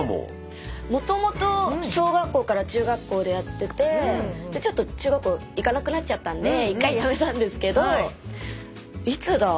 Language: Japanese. もともと小学校から中学校でやっててちょっと中学校行かなくなっちゃったんで１回やめたんですけどいつだ？